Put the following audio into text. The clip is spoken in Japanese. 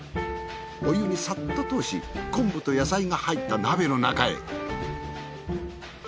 お湯にさっと通し昆布と野菜が入った鍋の中へ。